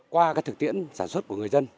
qua các thực tiễn sản xuất của người dân